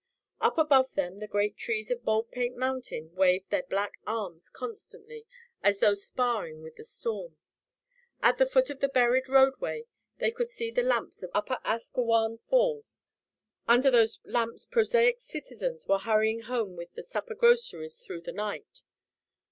Up above them the great trees of Baldpate Mountain waved their black arms constantly as though sparring with the storm. At the foot of the buried roadway they could see the lamps of Upper Asquewan Falls; under those lamps prosaic citizens were hurrying home with the supper groceries through the night.